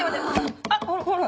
あっほらほら！